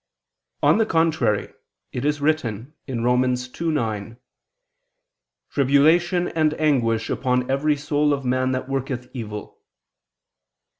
On the contrary, It is written (Rom. 2:9): "Tribulation and anguish upon every soul of man that worketh evil."